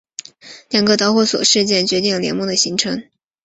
两个导火索事件决定了联盟的形成。